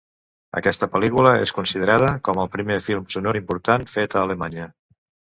Aquesta pel·lícula és considerada com el primer film sonor important fet a Alemanya.